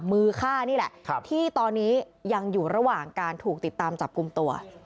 มือฆ่านี่แหละที่ตอนนี้ยังอยู่ระหว่างการถูกติดตามจับกลุ่มตัว